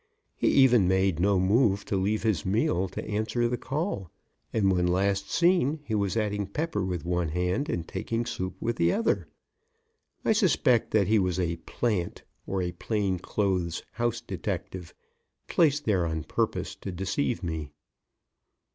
He even made no move to leave his meal to answer the call, and when last seen he was adding pepper with one hand and taking soup with the other. I suspect that he was a "plant," or a plain clothes house detective, placed there on purpose to deceive me.